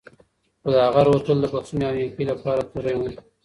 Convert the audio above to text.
خو د هغه روح تل د بښنې او نېکۍ لپاره تږی و.